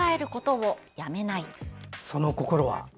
その心は？